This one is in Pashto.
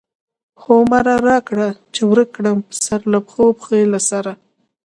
هو مره را کړه چی پی ورک کړم، سرله پښو، پښی له سره